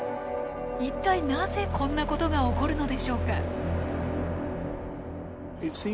一体なぜこんなことが起こるのでしょうか？